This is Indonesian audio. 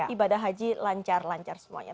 ibadah haji lancar lancar semuanya